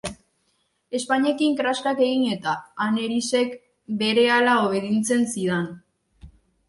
Ezpainekin kraskak egin eta Anerisek berehala obeditzen zidan.